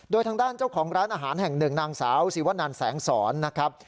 โดยทางด้านเจ้าของร้านอาหารแห่งหนึ่งนางสาวศิวนันแสงสอนนะครับ